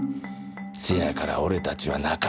せやから俺たちは仲間や。